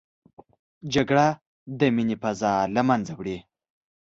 جګړه د مینې فضا له منځه وړي